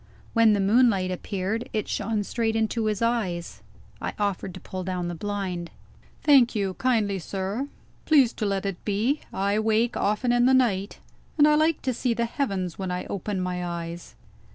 When the moonlight appeared, it shone straight into his eyes. I offered to pull down the blind. "Thank you kindly, sir; please to let it be. I wake often in the night, and I like to see the heavens when I open my eyes."